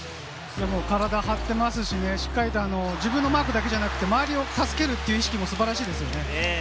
体張ってますしね、しっかりと自分のマークだけじゃなくて、周りを助けるという意識も素晴らしいですね。